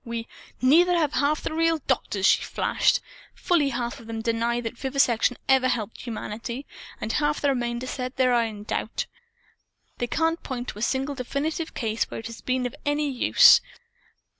We " "Neither have half the real doctors!" she flashed. "Fully half of them deny that vivisection ever helped humanity. And half the remainder say they are in doubt. They can't point to a single definite case where it has been of use.